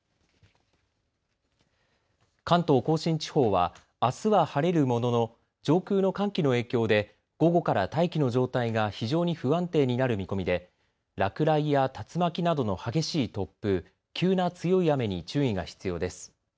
関東甲信地方は、あすは晴れるものの上空の寒気の影響で午後から大気の状態が非常に不安定になる見込みで落雷や竜巻などの激しい突風、急な強い雨に注意が必要です。